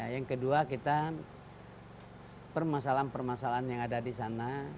yang kedua kita permasalahan permasalahan yang ada disana